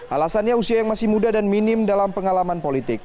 alasannya usia yang masih muda dan minim dalam pengalaman politik